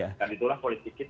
dan itulah politik kita